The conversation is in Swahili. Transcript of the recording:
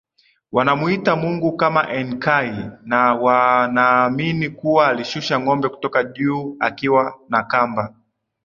wanamuita Mungu kama Enkai na wanaamini kuwa alishusha ngombe kutoka juu akiwa na kamba